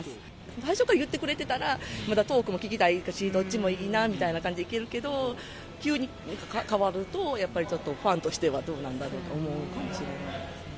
最初から言ってくれてたらまだトークも聞きたいし、どっちもいいなみたいな感じでいけるけど、急に変わると、やっぱりちょっとファンとしてはどうなんだろうと思うかもしれないですね。